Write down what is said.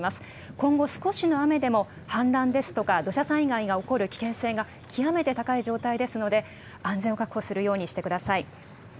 今後、少しの雨でも、氾濫ですとか、土砂災害が起こる危険性が極めて高い状態ですので、安全を確保するようにしてください。